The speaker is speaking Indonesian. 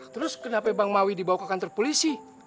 terus kenapa bang maui dibawa ke kantor polisi